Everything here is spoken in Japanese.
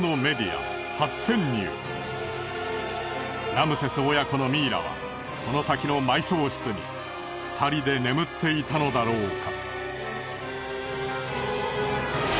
ラムセス親子のミイラはこの先の埋葬室に２人で眠っていたのだろうか？